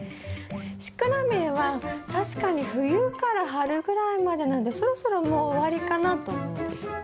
シクラメンは確かに冬から春ぐらいまでなんでそろそろもう終わりかなと思うんです。